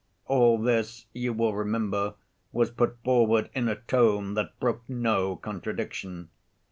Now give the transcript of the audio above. All this, you will remember, was put forward in a tone that brooked no contradiction.